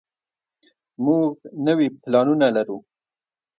موږ نوي پلانونه لرو.